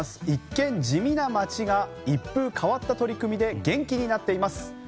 一見、地味な街が一風変わった取り組みで元気になっています。